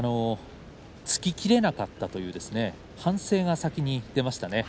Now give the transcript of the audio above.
突ききれなかったと反省が先に出ました。